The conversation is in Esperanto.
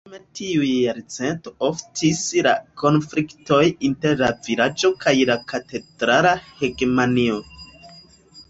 Dum tiuj jarcento oftis la konfliktoj inter la vilaĝo kaj la katedrala hegemonio.